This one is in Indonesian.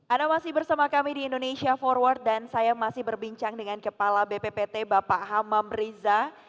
anda masih bersama kami di indonesia forward dan saya masih berbincang dengan kepala bppt bapak hamam riza